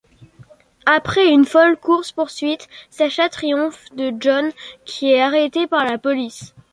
Après une folle course-poursuite, Sacha triomphe de John qui est arrêté par la police.